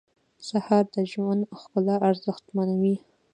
سهار د ژوند ښکلا ارزښتمنوي.